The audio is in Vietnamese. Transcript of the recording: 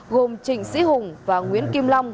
gồm trịnh sĩ hùng và nguyễn kim long